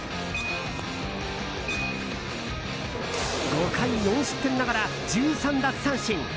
５回４失点ながら１３奪三振。